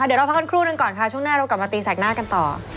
เดี๋ยวเราพักกันครู่หนึ่งก่อนค่ะช่วงหน้าเรากลับมาตีแสกหน้ากันต่อ